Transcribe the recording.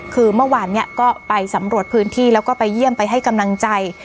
คือเมื่อวานเนี่ยก็ไปสำรวจพื้นที่แล้วก็ไปเยี่ยมไปให้กำลังใจ